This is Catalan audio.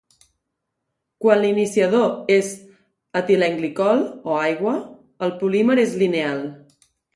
Quan l'iniciador és etilenglicol o aigua, el polímer és lineal.